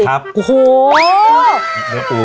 โห้